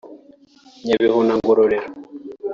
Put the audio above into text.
Nyabihu na Ngororero